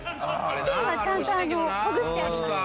チキンはちゃんとほぐしてあります。